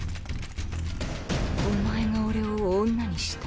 お前が俺を女にした。